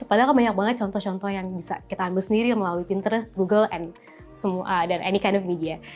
padahal banyak banget contoh contoh yang bisa kita ambil sendiri melalui pinterest google dan any kind of media